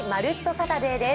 サタデー」です。